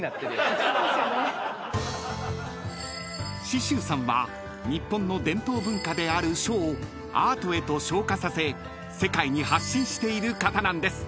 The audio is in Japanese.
［紫舟さんは日本の伝統文化である書をアートへと昇華させ世界に発信している方なんです］